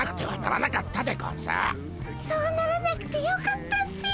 そうならなくてよかったっピ。